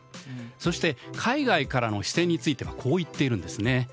そして海外からの視点についてはこう言っているんですね。